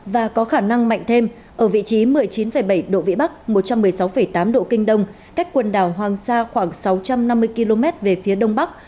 và có khả năng mạnh thêm ở vị trí một mươi chín bảy độ vĩ bắc một trăm một mươi sáu tám độ kinh đông cách quần đảo hoàng sa khoảng sáu trăm năm mươi km về phía đông bắc